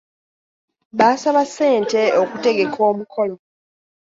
Baasaba ssente okutegeka omukolo.